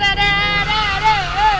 bu ranti ada ada ada